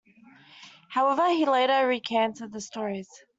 However, he later recanted the stories.